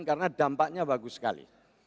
karena dampaknya bagus sekali